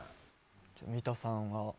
三田さんは？